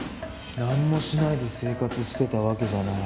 なんもしないで生活してたわけじゃない。